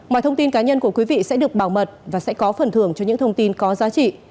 mọi thông tin cá nhân của quý vị sẽ được bảo mật và sẽ có phần thưởng cho những thông tin có giá trị